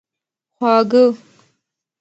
خواږه